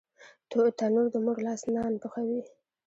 تنور د مور لاس نان پخوي